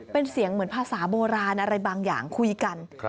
เป็นเสียงเหมือนภาษาโบราณอะไรบางอย่างคุยกัน